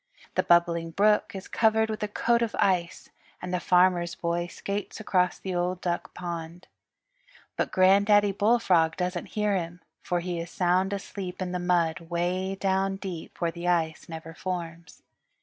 The Bubbling Brook is covered with a coat of ice, and the Farmer's Boy skates across the Old Duck Pond. But Granddaddy Bullfrog doesn't hear him, for he is sound asleep in the mud 'way down deep where the ice never forms.